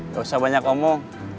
gak usah banyak omong